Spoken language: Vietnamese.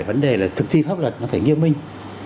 vấn đề là thực thi pháp luật nó phải nghiêm minh